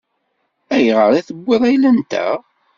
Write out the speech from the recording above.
Ayɣer i tewwiḍ ayla-nteɣ?